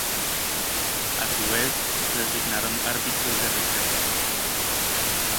A su vez, se designaron árbitros de reserva.